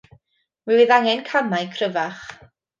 Mi fydd angen camau cryfach.